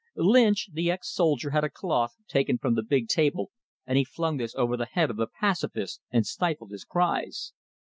Lynch, the ex soldier, had a cloth, taken from the big table, and he flung this over the head of the "pacifist" and stifled his cries.